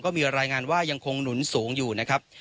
มีรายงานว่ายังคงหนุนสูงอยู่นะครับ